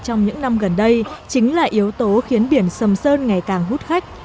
trong những năm gần đây chính là yếu tố khiến biển sầm sơn ngày càng hút khách